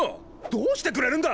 どうしてくれるんだ！